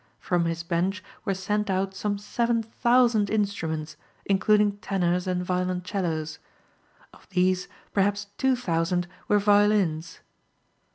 From his bench were sent out some seven thousand instruments, including tenors and violoncellos. Of these perhaps two thousand were violins.